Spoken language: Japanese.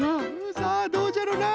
さあどうじゃろうな？